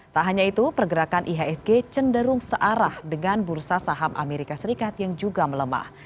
tak hanya itu pergerakan ihsg cenderung searah dengan bursa saham amerika serikat yang juga melemah